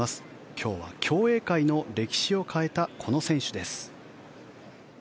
今日は競泳界の歴史を変えたこの選手です。